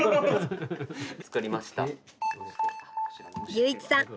隆一さん